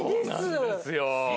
そうなんですよ。